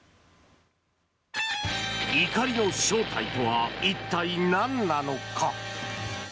怒りの正体とは一体、なんなのか。